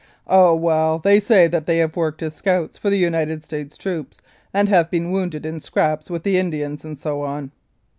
" Oh ! well, they say that they have worked as scouts for the United States troops and have been wounded in ' scraps ' with the Indians and so on."